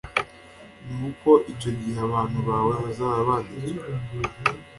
Nuko icyo gihe abantu bawe bazaba banditswe